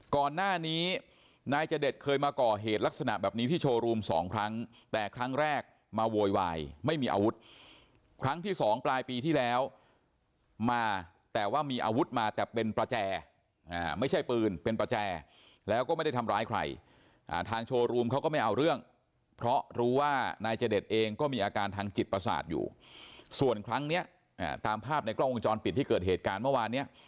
ก่อนหน้านี้นายเจดเคยมาก่อเหตุลักษณะแบบนี้ที่โชว์รูมสองครั้งแต่ครั้งแรกมาโวยวายไม่มีอาวุธครั้งที่สองปลายปีที่แล้วมาแต่ว่ามีอาวุธมาแต่เป็นประแจไม่ใช่ปืนเป็นประแจแล้วก็ไม่ได้ทำร้ายใครทางโชว์รูมเขาก็ไม่เอาเรื่องเพราะรู้ว่านายเจดเองก็มีอาการทางจิตประสาทอยู่ส่วนครั้งเนี้ยตามภาพในกล้องวงจรปิดที่เกิดเหตุการณ์เมื่อวานเนี้ย